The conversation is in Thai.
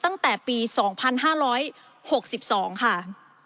ตั้งแต่ปี๒๕๖๒ค่ะ